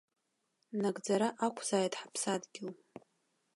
Нагӡара ақәзааит ҳаԥсадгьыл!